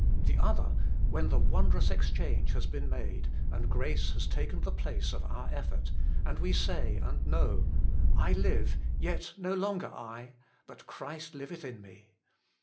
The other, when the wondrous exchange has been made, and grace has taken the place of our effort, and we say and know, " I live, yet no longer I, but Christ liveth in me."